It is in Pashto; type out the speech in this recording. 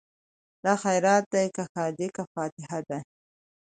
دا خیرات دی که ښادي که فاتحه ده